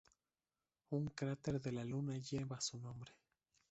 Un cráter de la Luna lleva su nombre.